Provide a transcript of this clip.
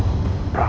hamba sudah berjalan